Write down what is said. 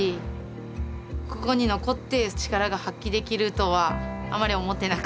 ここに残って力が発揮できるとはあんまり思ってなかった。